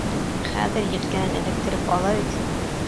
Хәҙер елкәнән эләктереп ала бит!